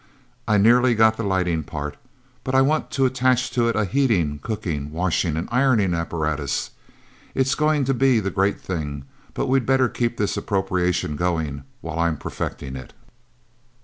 I've nearly got the lighting part, but I want to attach to it a heating, cooking, washing and ironing apparatus. It's going to be the great thing, but we'd better keep this appropriation going while I am perfecting it."